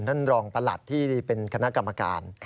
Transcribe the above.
ท่านรองประหลัดที่เป็นคณะกรรมการ